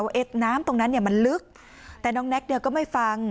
เอ็ดน้ำตรงนั้นเนี่ยมันลึกแต่น้องแน็กเนี่ยก็ไม่ฟัง